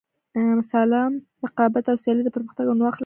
سالم رقابت او سیالي د پرمختګ او نوښت لامل کیږي.